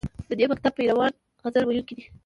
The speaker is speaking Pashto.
د دې مکتب پیروان غزل ویونکي دي